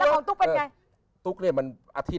แล้วของตุ๊กเป็นไง